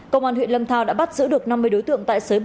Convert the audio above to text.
công an huyện lâm thao đã bắt giữ được năm mươi đối tượng